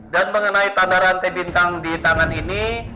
dan mengenai tanda rantai bintang di tangan ini